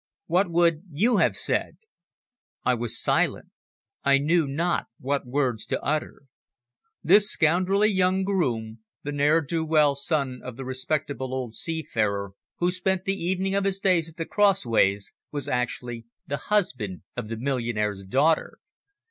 What would you have said? I was silent. I knew not what words to utter. This scoundrelly young groom, the ne'er do well son of the respectable old seafarer who spent the evening of his days at the crossways, was actually the husband of the millionaire's daughter!